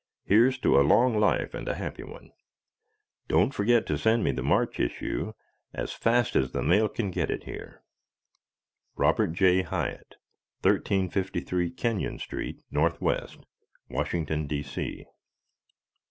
Here's to a long life and a happy one. Don't forget to send me the March issue as fast as the mail can get it here Robert J. Hyatt, 1353 Kenyon St., N. W., Washington D. C.